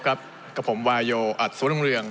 กับผมวายโยอัสวรรพ์รุงเรือง